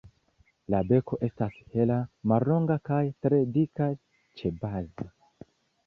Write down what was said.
La beko estas hela, mallonga kaj tre dika ĉebaze.